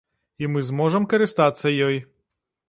І мы зможам карыстацца ёй.